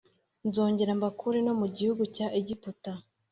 Nzongera mbakure no mu gihugu cya Egiputa